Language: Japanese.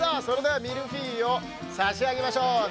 それではミルフィーユをさしあげましょう！